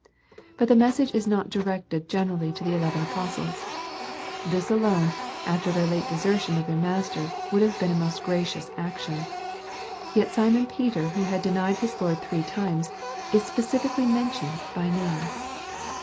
But the message is not directed generally to the eleven apostles. This alone, after their late desertion of their master, would have been a most gracious action. Yet Simon Peter who had denied his Lord three times, is specially mentioned by name.